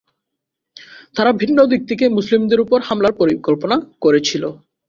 তারা ভিন্ন দিক থেকে মুসলিমদের উপর হামলার পরিকল্পনা করেছিল।